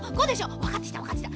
わかってきたわかってきた。